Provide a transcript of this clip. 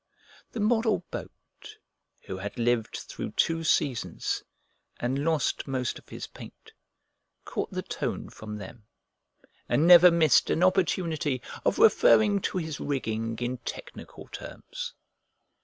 The model boat, who had lived through two seasons and lost most of his paint, caught the tone from them and never missed an opportunity of referring to his rigging in technical terms.